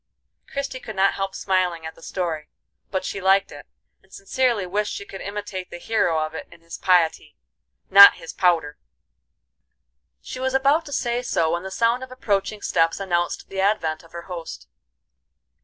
Christie could not help smiling at the story, but she liked it, and sincerely wished she could imitate the hero of it in his piety, not his powder. She was about to say so when the sound of approaching steps announced the advent of her host.